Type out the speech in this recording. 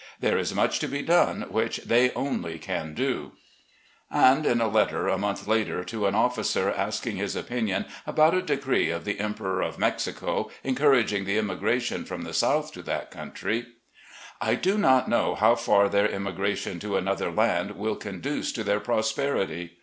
There is much to be done wffich they only can do. .. ♦His old A. A. G. 162 A PRIVATE CITIZEN 163 And in a letter, a month later, to an officer asking his opinion about a decree of the Emperor of Mexico en couraging the emigration from the South to that cotmtry :"... I do not know how far their emigration to another land will conduce to their prosperity.